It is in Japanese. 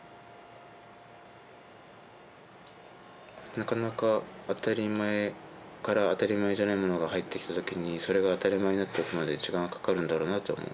なかなか「当たり前」から「当たり前じゃないもの」が入ってきた時にそれが「当たり前」になっていくまで時間がかかるんだろうなって思う。